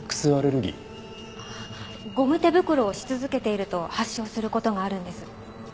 ゴム手袋をし続けていると発症する事があるんです。